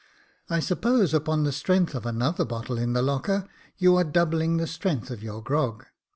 "I suppose, upon the strength of another bottle in the locker, you are doubling the strength of your grog.